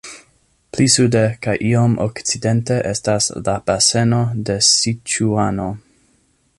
Pli sude kaj iom okcidente estas la baseno de Siĉuano.